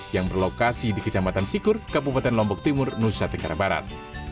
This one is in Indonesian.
yang berlokasi di kecamatan sikur kabupaten lombok timur nusa tenggara barat